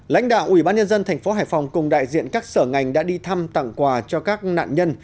lãnh đạo ubnd tp hải phòng cùng đại diện các sở ngành đã đi thăm tặng quà cho các nạn nhân